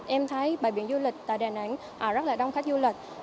em thấy bãi biển du lịch tại đà nẵng rất là đông khách du lịch